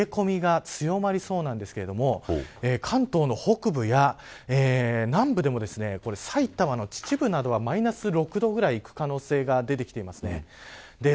各地、冷え込みが強まりそうなんですけれども関東の北部や南部でも埼玉の秩父などはマイナス６度ぐらいいく可能性が出てきています。